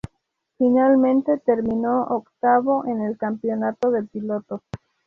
Finalmente terminó octavo en el campeonato de pilotos.